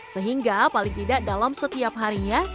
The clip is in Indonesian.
sehingga paling tidak dalam setiap harinya